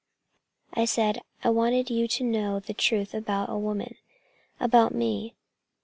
"I said I wanted you to know the truth about a woman about me.